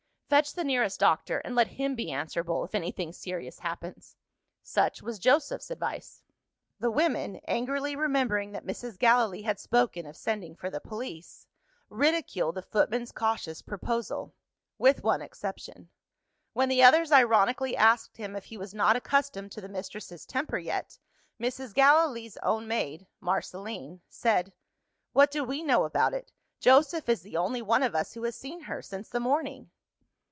"Fetch the nearest doctor, and let him be answerable, if anything serious happens." Such was Joseph's advice. The women (angrily remembering that Mrs. Gallilee had spoken of sending for the police) ridiculed the footman's cautious proposal with one exception. When the others ironically asked him if he was not accustomed to the mistress's temper yet, Mrs. Gallilee's own maid (Marceline) said, "What do we know about it? Joseph is the only one of us who has seen her, since the morning."